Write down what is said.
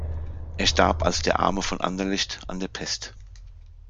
Er starb als der „Arme von Anderlecht“ an der Pest.